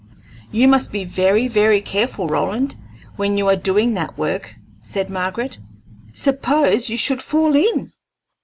"You must be very, very careful, Roland, when you are doing that work," said Margaret. "Suppose you should fall in!"